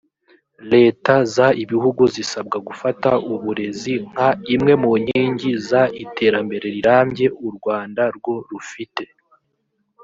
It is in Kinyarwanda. leta z ibihugu zisabwa gufata uburezi nk imwe mu nkingi z iterambere rirambye u rwanda rwo rufite